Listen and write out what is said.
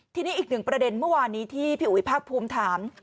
ทีนี้อีกหนึ่งประเด็นเมื่อวานนี้ที่พี่อุ๋ยภาคภูมิถาม